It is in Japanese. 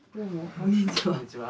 こんにちは。